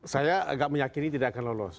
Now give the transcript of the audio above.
saya agak meyakini tidak akan lolos